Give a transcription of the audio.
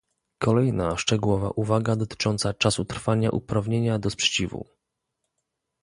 Kolejna szczegółowa uwaga dotycząca czasu trwania uprawnienia do sprzeciwu